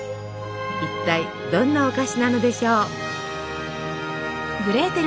一体どんなお菓子なのでしょう。